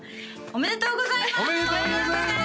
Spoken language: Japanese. おめでとうございます！